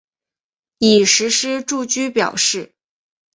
已实施住居表示。